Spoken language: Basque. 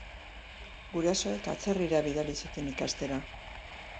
Gurasoek atzerrira bidali zuten ikastera.